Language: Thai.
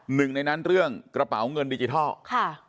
หนึ่งในนั้นเรื่องกระเป๋าเงินดิจิทัลค่ะ